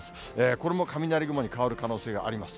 これも雷雲に変わる可能性があります。